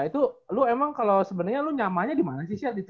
itu lo emang kalau sebenarnya lu nyamanya di mana sih chead